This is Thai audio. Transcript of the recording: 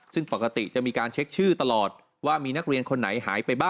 ซึ่งปกติจะมีการเช็คชื่อตลอดว่ามีนักเรียนคนไหนหายไปบ้าง